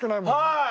はい！